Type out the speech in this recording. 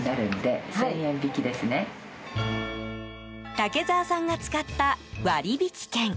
竹澤さんが使った割引券。